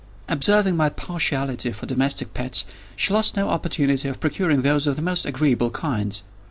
Observing my partiality for domestic pets, she lost no opportunity of procuring those of the most agreeable kind.